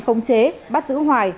không chế bắt giữ hoài